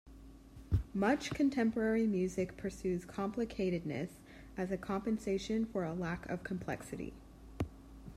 Much contemporary music pursues complicatedness as compensation for a lack of complexity.